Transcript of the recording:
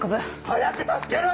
早く助けろ！